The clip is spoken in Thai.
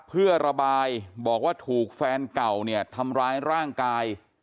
เพื่อระบายบอกว่าถูกแฟนเก่าเนี่ยทำร้ายร่างกาย